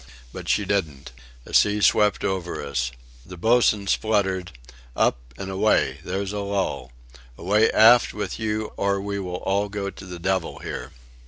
But she didn't. A sea swept over us. The boatswain spluttered: "Up and away. There's a lull. Away aft with you, or we will all go to the devil here."